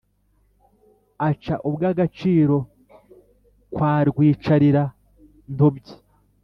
aca ubwagiro kwa rwicarira-ntobyi,